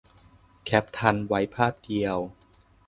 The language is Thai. แคปทันไว้ภาพเดียว